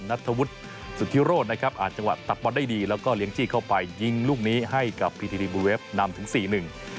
นัทธวุธศรีรังไพโรธอ่านจังหวัดตัดบอดได้ดีแล้วก็เลี้ยงจี้เข้าไปยิงลูกนี้ให้กับพิธีที่บลูเวฟนำถึง๔๑